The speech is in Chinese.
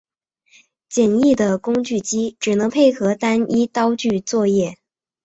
简易的工具机只能配合单一刀具作业。